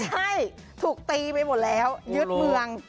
ใช่ถูกตีไปหมดแล้วยึดเมือง